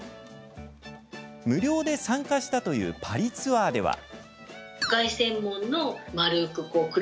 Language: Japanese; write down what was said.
無料で参加したというパリツアーでは。